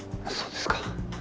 そうですか。